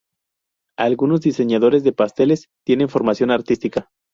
Algunos diseñadores de pasteles tienen formación artística.